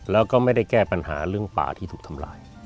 แล้วก็ไม่ได้แก้ปัญหาเรื่องป่าที่ถูกทำลาย